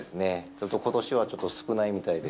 ちょっと、ことしは少ないみたいで。